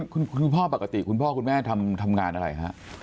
คุณพ่อปกติคุณพ่อคุณแม่ทำงานอะไรฮะ